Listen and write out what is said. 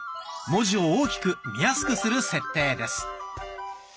文字を大きく見やすくする設定です。